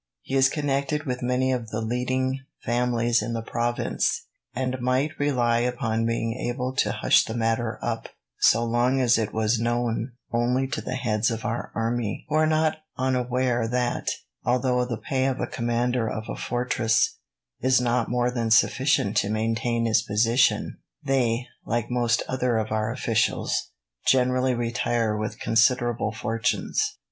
He is connected with many of the leading families in the province, and might rely upon being able to hush the matter up, so long as it was known only to the heads of our army, who are not unaware that, although the pay of a commander of a fortress is not more than sufficient to maintain his position, they, like most other of our officials, generally retire with considerable fortunes.